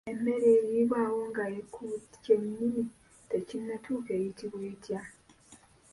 Emmere eriibwa awo nga ekibu kyennyini tekinnatuuka eyitibwa etya?